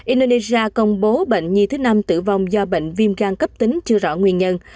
indonesia công bố bệnh nhi thứ năm tử vong do bệnh viêm gan cấp tính chưa rõ nguyên nhân